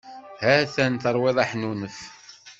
Ha-t-an terwiḍ aḥnunef.